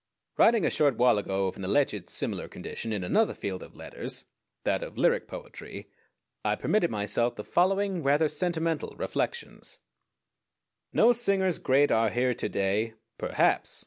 Writing a short while ago of an alleged similar condition in another field of letters, that of lyric poetry, I permitted myself the following rather sentimental reflections: No singers great are here to day? Perhaps!